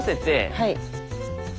はい。